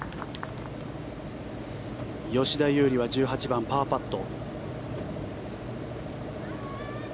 吉田優利は１８番、パーパット。